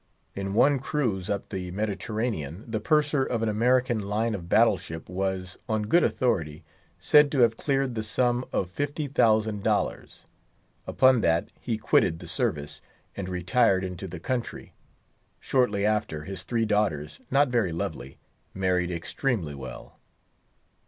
In one cruise up the Mediterranean, the Purser of an American line of battle ship was, on good authority, said to have cleared the sum of $50,000. Upon that he quitted the service, and retired into the country. Shortly after, his three daughters—not very lovely—married extremely well.